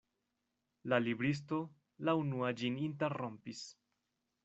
La libristo la unua ĝin interrompis.